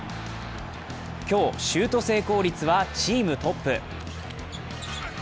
今日、シュート成功率はチームトップ。